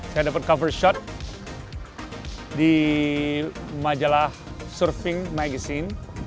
saya dapat cover shot di majalah surfing magazine